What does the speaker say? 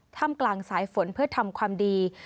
กลางสายฝนเพื่อทำความดี